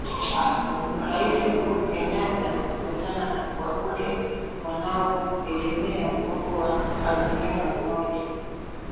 Rais Uhuru Kenyatta kukutana na wabunge wanaoegemea muungano wa azimio la umoja